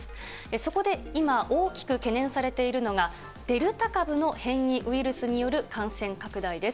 そこで今、大きく懸念されているのが、デルタ株の変異ウイルスによる感染拡大です。